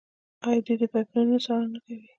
آیا دوی د پایپ لاینونو څارنه نه کوي؟